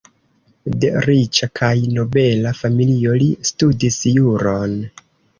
De riĉa kaj nobela familio, li studis juron.